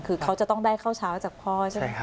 คือเขาจะต้องได้ข้าวเช้าจากพ่อใช่ไหมครับ